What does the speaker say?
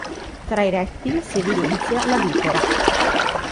Tra i rettili si evidenzia la vipera.